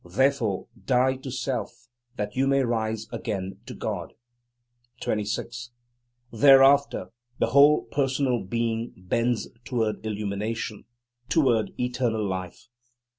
Therefore die to self, that you may rise again to God. 26. Thereafter, the whole personal being bends toward illumination, toward Eternal Life.